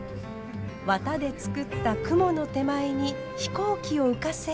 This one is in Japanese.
綿で作った雲の手前に飛行機を浮かせ。